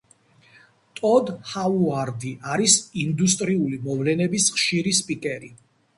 ტოდ ჰაუარდი არის ინდუსტრიული მოვლენების ხშირი სპიკერი.